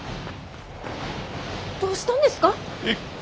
どうしたんですか？